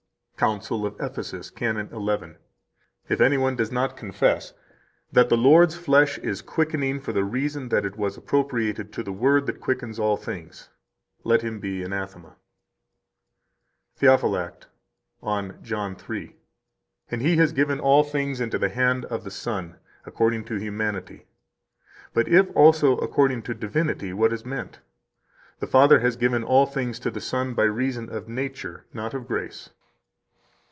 134 COUNCIL OF EPHESUS, Canon 11 (in Cyril, t. 6, p. 196): "If anyone does not confess that the Lord's flesh is quickening, for the reason that it was appropriated to the Word that quickens all things, let him be anathema." 135 THEOPHYLACT, on John 3 (pp. 605. 184, ed. cit.): "And He has given all things into the hand of the Son, according to humanity. But if [also] according to divinity, what is meant? The Father has given all things to the Son by reason of nature, not of grace."